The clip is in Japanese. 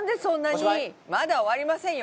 まだ終わりませんよ。